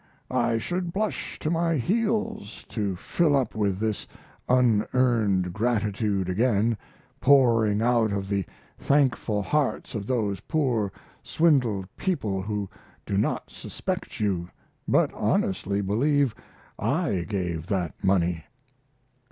I should blush to my heels to fill up with this unearned gratitude again, pouring out of the thankful hearts of those poor swindled people who do not suspect you, but honestly believe I gave that money.